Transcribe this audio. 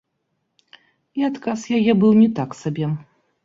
І адказ яе быў не так сабе.